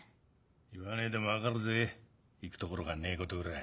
言わねえでも分かるぜ行く所がねえことぐらい。